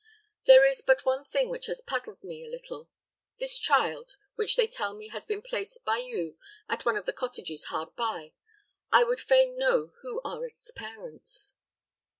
There is but one thing which has puzzled me a little; this child, which they tell me has been placed by you at one of the cottages hard by, I would fain know who are its parents."